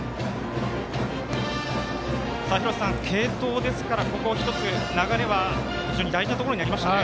廣瀬さん、継投ですから流れは大事なところになりました。